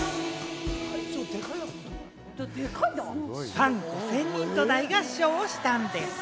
ファン５０００人と大合唱をしたんです。